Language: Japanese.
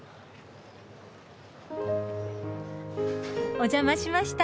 お邪魔しました。